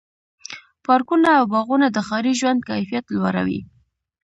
پارکونه او باغونه د ښاري ژوند کیفیت لوړوي.